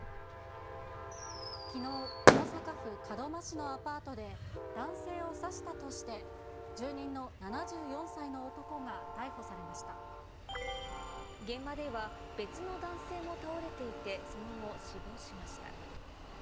きのう、大阪府門真市のアパートで、男性を刺したとして、住人の７４現場では、別の男性も倒れていて、その後、死亡しました。